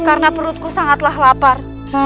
karena perutku sangatlah lapar